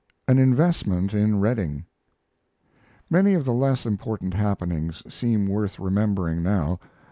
AN INVESTMENT IN REDDING Many of the less important happenings seem worth remembering now.